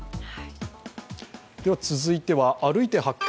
続いては「歩いて発見！